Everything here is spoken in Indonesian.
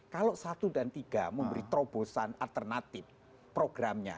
kalau satu dan tiga memberi terobosan alternatif programnya